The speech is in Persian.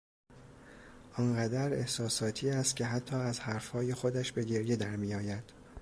آنقدر احساساتی استکه حتی از حرفهای خودش به گریه درمیآید.